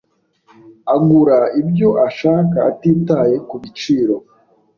Agura ibyo ashaka atitaye kubiciro.